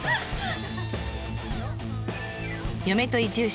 嫁と移住者。